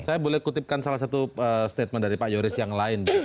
saya boleh kutipkan salah satu statement dari pak yoris yang lain